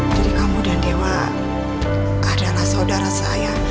jadi kamu dan dewa adalah saudara saya